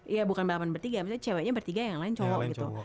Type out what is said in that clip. ya bukan balapan bertiga misalnya ceweknya bertiga yang lain cowok gitu